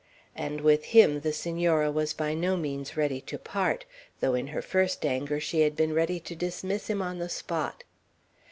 And with him the Senora was by no means ready to part, though in her first anger she had been ready to dismiss him on the spot.